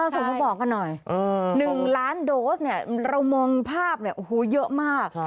ส่งมาบอกกันหน่อย๑ล้านโดสเนี่ยเรามองภาพเยอะมาก